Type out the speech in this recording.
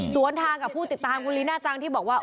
สวนทางกับผู้ติดตามคุณลีน่าจังที่บอกว่า